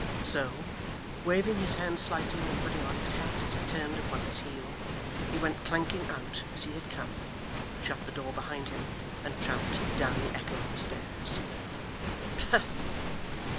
So, waving his hand slightly, and putting on his hat as he turned upon his heel, he went clanking out as he had come, shut the door behind him, and tramped down the echoing stairs. 'Pah!